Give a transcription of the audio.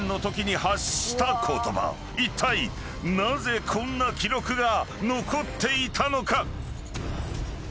［いったいなぜこんな記録が残っていたのか？］